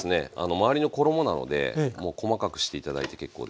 周りの衣なのでもう細かくして頂いて結構です。